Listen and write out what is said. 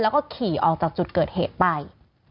แล้วก็ขี่ออกจากจุดเกิดเหตุไป